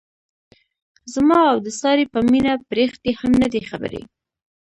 زما او د سارې په مینه پریښتې هم نه دي خبرې.